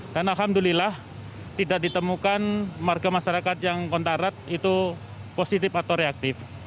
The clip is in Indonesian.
dan alhamdulillah tidak ditemukan warga masyarakat yang kontarat itu positif atau reaktif